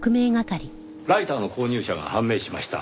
ライターの購入者が判明しました。